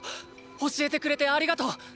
教えてくれてありがとう！